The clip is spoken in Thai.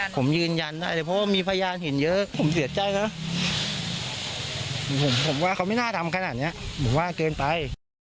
ผมยืนยันได้เลยเพราะว่ามีพยานเห็นเยอะผมเสียใจนะผมว่าเขาไม่น่าทำขนาดนี้ผมว่าเกินไป